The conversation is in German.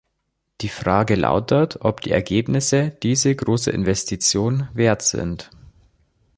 Die Frage lautet, ob die Ergebnisse diese große Investition wert sind.